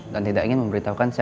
dan tidak ingin memberikan kepadanya